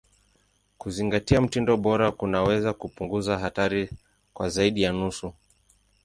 Kuzingatia mtindo bora kunaweza kupunguza hatari kwa zaidi ya nusu.